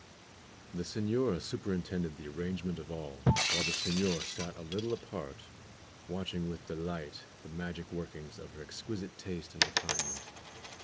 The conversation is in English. The señora superintended the arrangement of all, while the señor sat a little apart, watching with delight the magic workings of her exquisite taste and refinement.